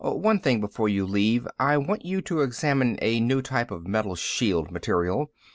"One thing before you leave. I want you to examine a new type of metal shield material.